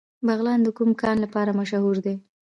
بغلان د کوم کان لپاره مشهور دی؟